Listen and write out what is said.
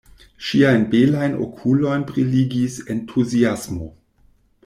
Ŝiajn belajn okulojn briligis entuziasmo.